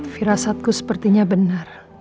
firasatku sepertinya benar